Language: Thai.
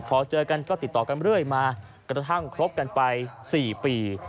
พอเจอกันก็ติดต่อกันเรื่อยมากระทั่งคบกันไป๔ปี